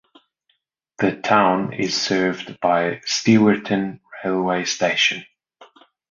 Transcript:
The town is served by Stewarton railway station.